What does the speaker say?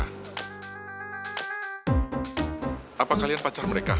kenapa kalian begitu belain mereka